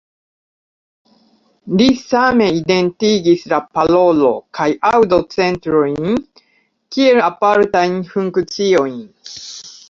Li same identigis la parolo- kaj aŭdo-centrojn kiel apartajn funkciojn.